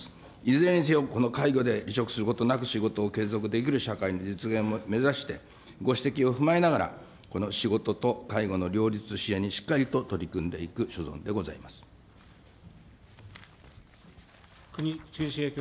いずれにせよ、この介護で離職することなく、仕事を継続できる社会の実現を目指して、ご指摘を踏まえながら、この仕事と介護の両立支援にしっかりと取り組んでい國重徹君。